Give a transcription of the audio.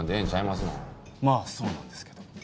まあそうなんですけど。